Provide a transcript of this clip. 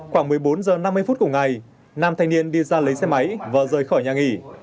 khoảng một mươi bốn h năm mươi phút cùng ngày nam thanh niên đi ra lấy xe máy và rời khỏi nhà nghỉ